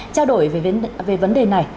trao đổi về vấn đề này